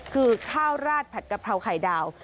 คือข้าวราดผัดกะเพราไข่ดาว